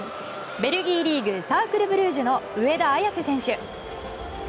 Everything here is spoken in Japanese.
ベルギーリーグサークルブルージュの上田綺世選手。